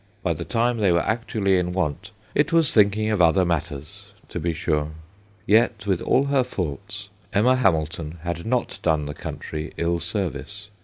By the time they were actually in want it was thinking of other matters, to be sure. Yet with all her faults Emma Hamil ton had not done the country ill service.